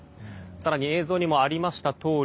更に映像にもありましたとおり